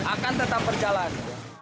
akan tetap berjalan